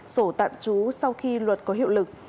sổ tạm trú sau khi luật có hiệu lực